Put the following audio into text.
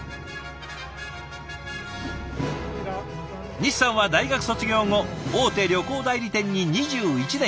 西さんは大学卒業後大手旅行代理店に２１年勤務。